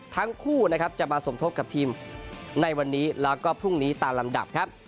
ทั้งคู่นะครับจะมาสมทบกับทีมในวันนี้แล้วก็พรุ่งนี้ตามลำดับครับ